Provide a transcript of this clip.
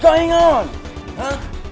apa yang terjadi